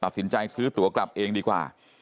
ตัดสินใจซื้อตัวกลับเองดีกว่า